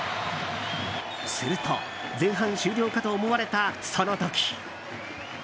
すると、前半終了かと思われたその時。